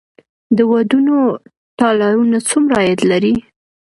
د ودونو تالارونه څومره عاید لري؟